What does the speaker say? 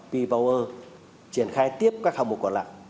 bvo triển khai tiếp các hạng mục còn lại